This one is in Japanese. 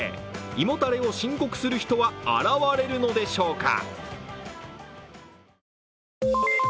胃もたれを申告する人は現れるのでしょうか。